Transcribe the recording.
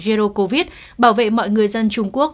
giữa covid một mươi chín bảo vệ mọi người dân trung quốc